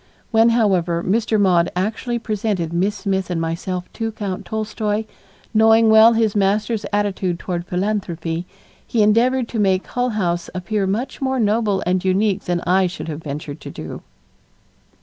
When, however, Mr. Maude actually presented Miss Smith and myself to Count Tolstoy, knowing well his master's attitude toward philanthropy, he endeavored to make Hull House appear much more noble and unique than I should have ventured to do.